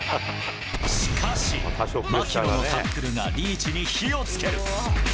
しかし、槙野のタックルがリーチに火をつける。